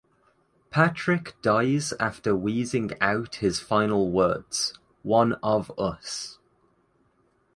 Patrick dies after wheezing out his final words "one of us".